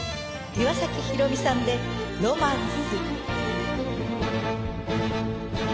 岩崎宏美さんで『ロマンス』。